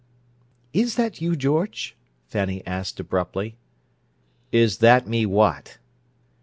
"Is that you, George?" Fanny asked abruptly. "Is that me what?"